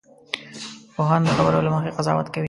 پوهان د خبرو له مخې قضاوت کوي